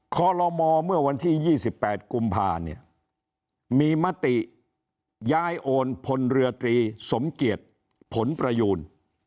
คลมอเมื่อวันที่ยี่สิบแปดกุมพาเนี่ยมีมติย้ายโอนพลเรือตรีสมเกีตผลปรยูน